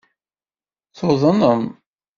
Tuḍnem.